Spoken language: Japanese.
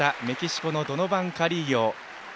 メキシコのドノバン・カリーヨ。